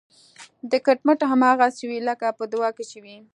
دا کټ مټ هماغسې وي لکه په دعا کې چې وي.